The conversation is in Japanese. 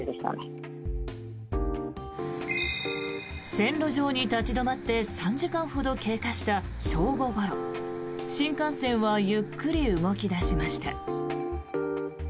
線路上に立ち止まって３時間ほど経過した正午ごろ新幹線はゆっくり動き出しました。